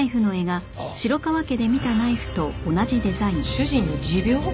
主人の持病？